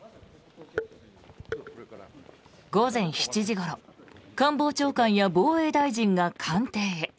午前７時ごろ官房長官や防衛大臣が官邸へ。